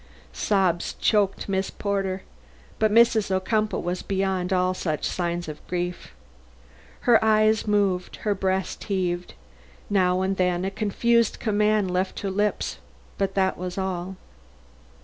Sobs choked Miss Porter; but Mrs. Ocumpaugh was beyond all such signs of grief. Her eyes moved; her breast heaved; now and then a confused command left her lips, but that was all.